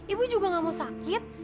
ibu juga gak mau sakit